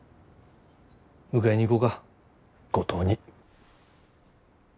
迎えに行こうか五島に。